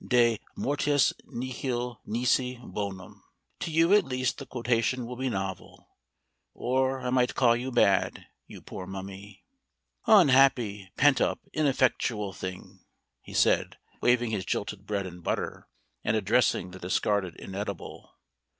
De mortuis nihil nisi bonum to you at least the quotation will be novel. Or I might call you bad, you poor mummy. "Unhappy, pent up, ineffectual thing!" he said, waving his jilted bread and butter, and addressing the discarded inedible.